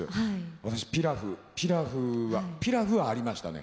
私ピラフピラフはありましたね。